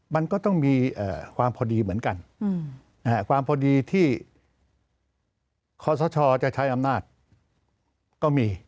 มันก็ต้องมีความพอดีเหมือนกันความพอดีที่คอสชจะใช้อำนาจก็มี